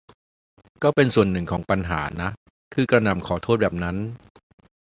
ก็เป็นส่วนหนึ่งของปัญหานะ คือกระหน่ำขอโทษแบบนั้น